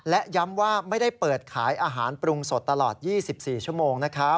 และย้ำว่าไม่ได้เปิดขายอาหารปรุงสดตลอด๒๔ชั่วโมงนะครับ